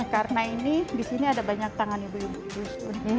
karena ini disini ada banyak tangan ibu ibu di rusun